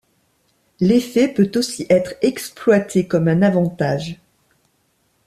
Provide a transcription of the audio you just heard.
L'effet peut aussi être exploité comme un avantage.